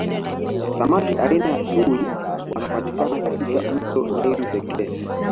samaki aina ya chui wanapatikana katika mto naili pekee